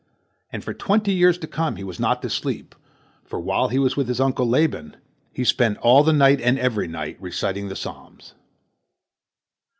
And for twenty years to come he was not to sleep, for while he was with his uncle Laban, he spent all the night and every night reciting the Psalms.